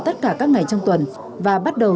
tất cả các ngày trong tuần và bắt đầu